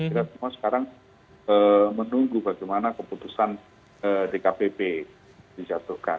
kita semua sekarang menunggu bagaimana keputusan dkpp dijatuhkan